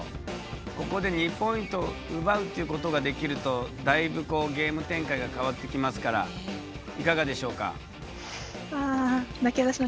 ここで２ポイント奪うっていうことができるとだいぶゲーム展開が変わってきますからいかがでしょうか？